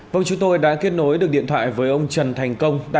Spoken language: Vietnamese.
vâng chúng tôi đã kết nối được điện thoại với ông trần thành công